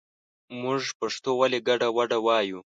مونږ پښتو ولې ګډه وډه وايو